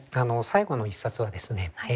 最後の一冊はですね